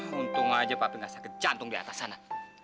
heran untung aja papi gak sakit jantung di atas sana